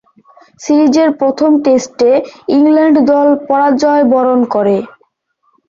সিরিজের প্রথম টেস্টে ইংল্যান্ড দল পরাজয়বরণ করে।